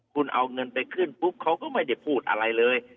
คุณเอาเงินไปขึ้นปุ๊บเขาก็ไม่ได้พูดอะไรเลย